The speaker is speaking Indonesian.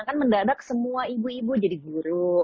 kan mendadak semua ibu ibu jadi guru